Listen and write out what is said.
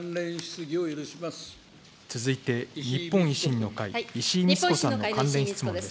続いて、日本維新の会、石井苗子さんの関連質問です。